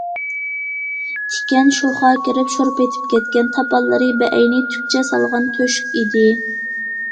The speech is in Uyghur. تىكەن، شوخا كىرىپ شور پېتىپ كەتكەن تاپانلىرى بەئەينى تۈكچە سالغان تۆشۈك ئىدى.